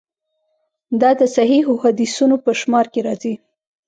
دا د صحیحو حدیثونو په شمار کې راځي.